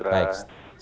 terima kasih ibu indra